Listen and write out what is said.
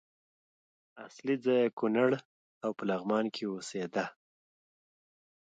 اصلي ځای یې کونړ او په لغمان کې اوسېده.